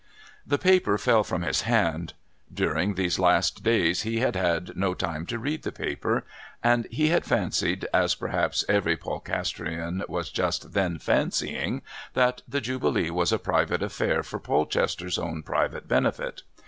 The paper fell from his hand. During these last days he had had no time to read the paper, and he had fancied, as perhaps every Polcastrian was just then fancying, that the Jubilee was a private affair for Polchester's own private benefit.